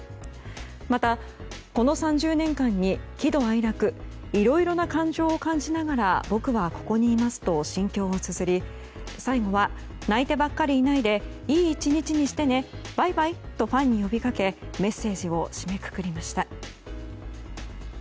またこの３０年間に喜怒哀楽いろいろな感情を感じながら僕はここにいますと心境をつづり最後は、泣いてばっかりいないでいい１日にしてねバイバイとファンに呼びかけメッセージを締めくくりました。